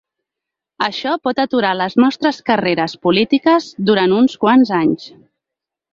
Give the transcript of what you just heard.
Això pot aturar les nostres carreres polítiques durant uns quants anys.